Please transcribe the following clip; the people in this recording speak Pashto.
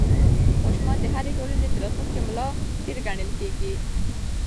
ماشومان د هرې ټولنې د راتلونکي ملا تېر ګڼل کېږي.